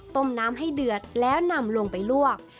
ต้มน้ำให้เดือดแล้วนำลงไปลวก